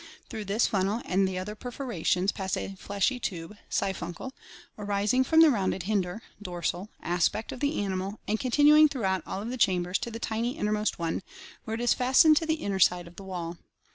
Through this funnel and the other perforations passes a fleshy tube (siphuncle) arising from the rounded hinder (dorsal) aspect of the animal and continuing throughout all of the chambers to the tiny innermost one, where it is fastened to the inner side of the wall.